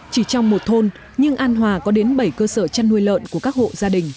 chỉ trong một thôn nhưng an hòa có đến bảy cơ sở chăn nuôi lợn của các hộ gia đình